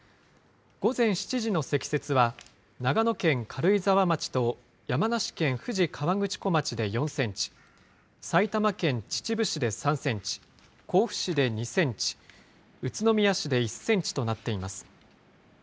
午前７時の積雪は、長野県軽井沢町と山梨県富士河口湖町で４センチ、埼玉県秩父市で３センチ、甲府市で２センチ、宇都宮市で１センチとなっています。